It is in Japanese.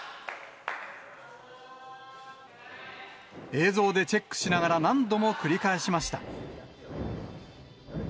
映像でチェックしながら、何度も繰り返しました。